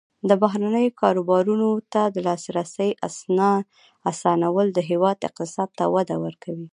د بهرنیو کاروبارونو ته د لاسرسي اسانول د هیواد اقتصاد ته وده ورکوي.